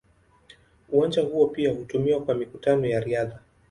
Uwanja huo pia hutumiwa kwa mikutano ya riadha.